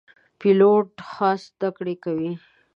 پیلوټ خاص زده کړې کوي.